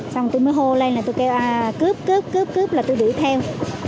xong rồi tôi mới hô lên là tôi kêu cướp cướp cướp cướp là tôi đuổi theo